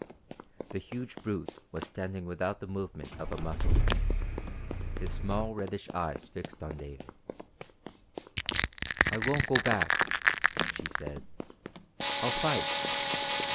The huge brute was standing without the movement of a muscle, his small reddish eyes fixed on David. "I won't go back!" she said. "I'll fight!"